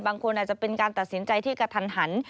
บางคนอาจจะเป็นการตัดสินใจที่กระทันหัน